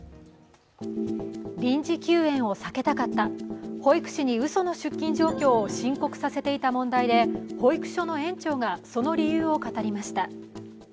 臨時休園を避けたかった、保育士にうその出勤状況を申告させていた問題で保育所の園長がその理由を語りました。